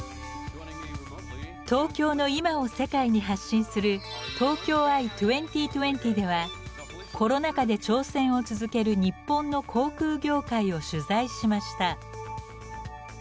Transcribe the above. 東京の今を世界に発信するコロナ禍で挑戦を続ける日本の航空業界を取材しました。